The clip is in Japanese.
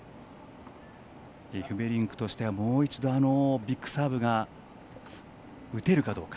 エフベリンクとしてはもう一度、あのビッグサーブが打てるかどうか。